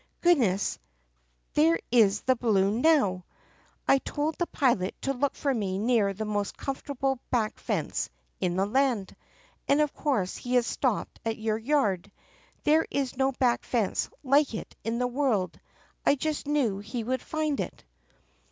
Goodness ! there is the balloon now ! I told THE PUSSYCAT PRINCESS 3i the pilot to look for me near the most comfortable back fence in the land, and of course he has stopped at your yard. There is no back fence like it in the world; I just knew he would find it!"